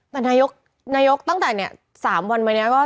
แต่นายกนายกตั้งแต่เนี่ย๓วันไปเนี่ย